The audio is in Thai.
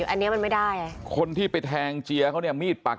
อันนี้มันไม่ได้ไงคนที่ไปแทงเจียเขาเนี่ยมีดปัก